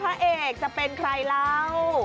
พระเอกจะเป็นใครเรา